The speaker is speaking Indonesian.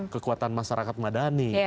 kekuatan masyarakat madani